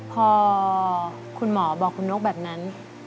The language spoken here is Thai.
พอคุณหมอบอกคุณนกแบบนั้น